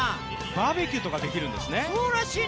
バーベキューとかできるんですね。